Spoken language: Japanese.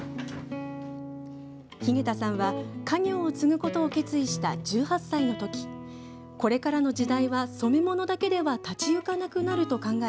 日下田さんは家業を継ぐことを決意した１８歳のときこれからの時代は染め物だけでは立ち行かなくなると考え